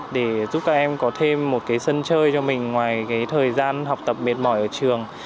để giúp các em có thêm một cái sân chơi cho mình ngoài cái thời gian học tập mệt mỏi ở trường